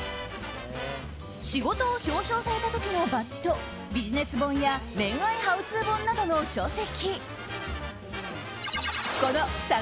仕事を表彰された時のバッジとビジネス本や恋愛ハウツー本などの書籍。